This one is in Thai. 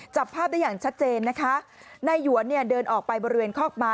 จับภาพได้อย่างชัดเจนนะคะนายหวนเนี่ยเดินออกไปบริเวณคอกม้า